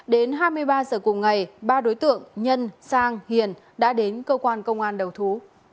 đến hai mươi ba giờ cùng ngày ba đối tượng nhân sang hiền đã đến cơ quan công an đầu thú